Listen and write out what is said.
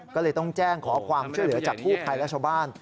ก็เลยต้องแจ้งขอความช่วยเหลือจากกู้ภัยและชาวบ้าน